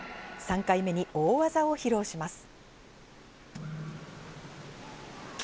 ３回目に大技を披露します。